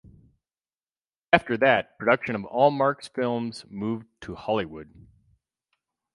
After that, production of all Marx films moved to Hollywood.